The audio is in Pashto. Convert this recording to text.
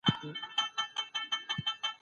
ستا وه ځوانۍ ته دي لوګى سمه زه